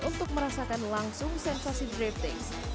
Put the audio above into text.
untuk merasakan langsung sensasi drifting